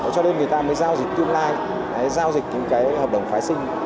cho nên người ta mới giao dịch tương lai giao dịch những cái hợp đồng phái sinh